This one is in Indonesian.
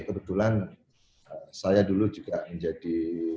kebetulan saya dulu juga menjadi